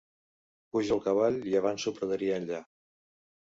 Pujo al cavall i avanço praderia enllà.